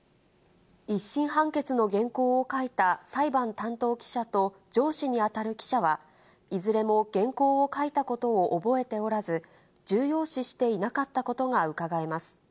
１審判決の原稿を書いた裁判担当記者と上司に当たる記者は、いずれも原稿を書いたことを覚えておらず、重要視していなかったことがうかがえます。